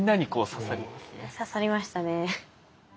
刺さりましたね。